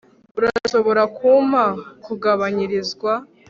Urashobora kumpa kugabanyirizwa